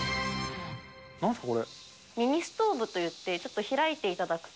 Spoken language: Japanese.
なんすか、ミニストーブと言って、ちょっと開いていただくと。